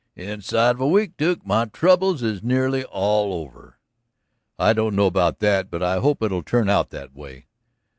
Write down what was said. "Inside of a week, Duke. My troubles is nearly all over." "I don't know about that, but I hope it'll turn out that way."